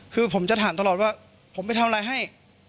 คือผมจะถามตลอดว่าผมไปทำอะไรให้